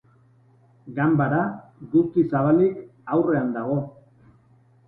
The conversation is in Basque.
Ganbara, guztiz zabalik, aurrean dago.